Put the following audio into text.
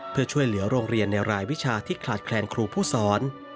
เพื่อช่วยเหลือโรงเรียนในรายวิชาที่ขาดแคลนครูผู้สอน